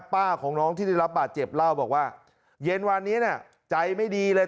ป้าของน้องที่ได้รับบาดเจ็บเล่าบอกว่าเย็นวานนี้น่ะใจไม่ดีเลย